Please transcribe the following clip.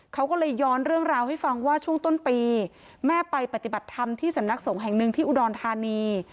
เขาก็เลยย้อนเรื่องราวให้ฟังว่าช่วงต้นปีแม่ไปปฏิบัติธรรมที่สำนักสงฆ์แห่งหนึ่งที่อุดรธานี